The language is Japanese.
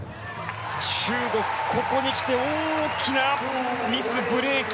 中国、ここに来て大きなミスブレーキ。